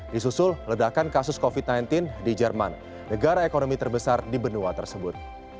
disusul ledakan kasus covid sembilan belas di jerman negara ekonomi terbesar di benua tersebut